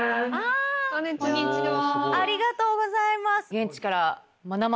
ありがとうございます。